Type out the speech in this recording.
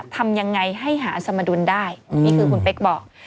ทำยังไงให้หาสมดุลได้นี่คือคุณเป๊กบอก